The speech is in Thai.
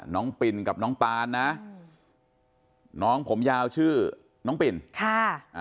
น้องปิ่นกับน้องปานนะอืมน้องผมยาวชื่อน้องปิ่นค่ะ